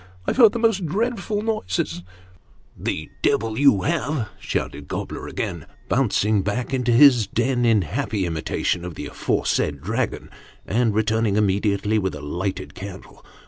I have heard the most dreadful noises !"" The devil you have !" shouted Gobler again, bouncing back into his den, in happy imitation of the aforesaid dragon, and returning immediately with a lighted candle.